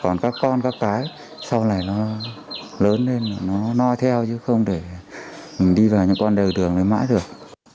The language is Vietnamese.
còn các con các cái sau này nó lớn lên nó noi theo chứ không để mình đi vào những con đường này mãi được